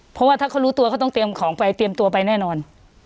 เพราะว่าถ้าเขารู้ตัวเขาต้องเตรียมของไปเตรียมตัวไปแน่นอน